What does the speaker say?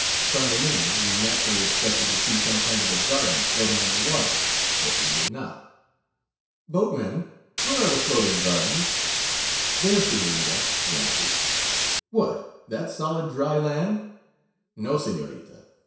From the name we naturally expected to see some kind of a garden floating on the water; but we did not. "Boatman, where are the floating gardens?" "There, senorita," he answered. "What, that solid, dry land?" "No, senorita.